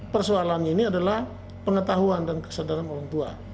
persoalan ini adalah pengetahuan dan kesadaran orang tua